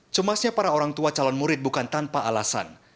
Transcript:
cemasnya para orang tua calon murid bukan tanpa alasan